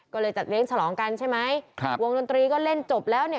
ก็เลยจัดเลี้ยงฉลองกันใช่ไหมครับวงดนตรีก็เล่นจบแล้วเนี่ย